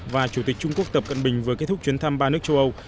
và chủ tịch trung quốc tập cận bình vừa kết thúc chuyến thăm ba nước châu âu